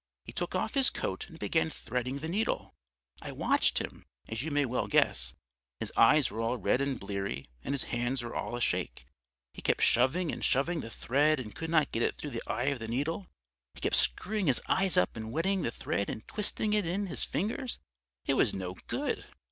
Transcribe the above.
He took off his coat and began threading the needle. I watched him; as you may well guess, his eyes were all red and bleary, and his hands were all of a shake. He kept shoving and shoving the thread and could not get it through the eye of the needle; he kept screwing his eyes up and wetting the thread and twisting it in his fingers it was no good!